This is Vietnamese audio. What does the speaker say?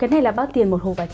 cái này là bao tiền một hộp ạ chị